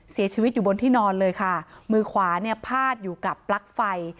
เสียชีวิตอยู่บนที่นอนเลยค่ะมือขวาเนี่ยพาดอยู่กับปลั๊กไฟ